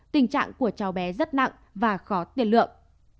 tình trạng của cháu bé rất nặng và khó tiền lượng